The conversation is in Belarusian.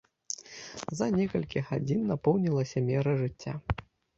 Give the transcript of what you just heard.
За некалькі гадзін напоўнілася мера жыцця.